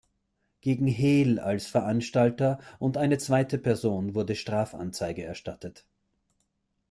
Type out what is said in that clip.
Gegen Hehl als Veranstalter und eine zweite Person wurde Strafanzeige erstattet.